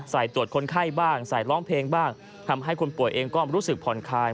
ตรวจคนไข้บ้างใส่ร้องเพลงบ้างทำให้คนป่วยเองก็รู้สึกผ่อนคลาย